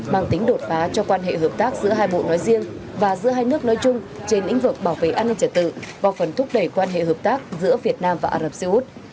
mang tính đột phá cho quan hệ hợp tác giữa hai bộ nói riêng và giữa hai nước nói chung trên lĩnh vực bảo vệ an ninh trật tự và phần thúc đẩy quan hệ hợp tác giữa việt nam và ả rập xê út